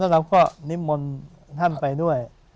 เราก็นิมนต์ท่านไปด้วย